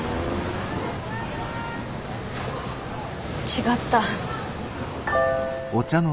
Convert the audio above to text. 違った。